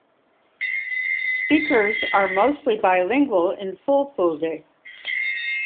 Speakers are mostly bilingual in Fulfulde.